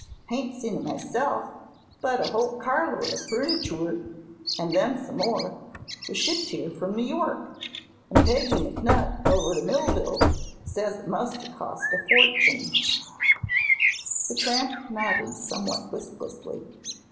Hain't seen it, myself, but a whole carload o' furnitoor an' then some more was shipped here from New York, an' Peggy McNutt, over t' Millville, says it must 'a' cost a for tun'." The tramp nodded, somewhat listlessly.